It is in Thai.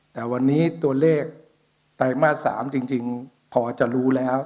แต่วันนี้ตัวเลขไตรมาส๓จริงพอจะรู้แล้ว